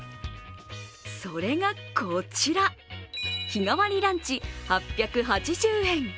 それがこちら、日替わりランチ８８０円。